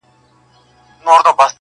o شاعر او شاعره.